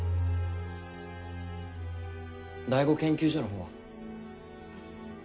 第五研究所の方は？